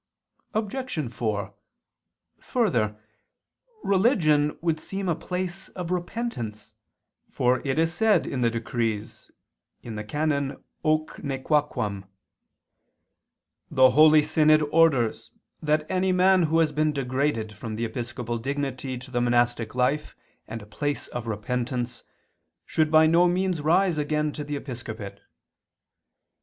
Obj. 4: Further, religion would seem a place of repentance; for it is said in the Decrees (VII, qu. i, can. Hoc nequaquam): "The holy synod orders that any man who has been degraded from the episcopal dignity to the monastic life and a place of repentance, should by no means rise again to the episcopate."